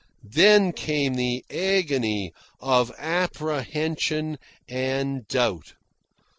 Then came the agony of apprehension and doubt.